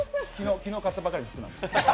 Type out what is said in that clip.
昨日、買ったばかりの服なんで。